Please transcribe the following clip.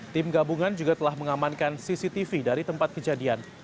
tim gabungan juga telah mengamankan cctv dari tempat kejadian